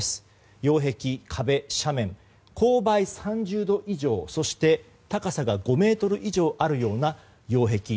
擁壁、壁、斜面勾配３０度以上、そして高さが５ｍ以上あるような擁壁。